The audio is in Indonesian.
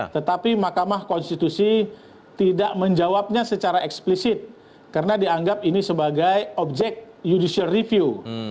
tetapi mahkamah konstitusi tidak menjawabnya secara eksplisit karena dianggap ini sebagai objek judicial review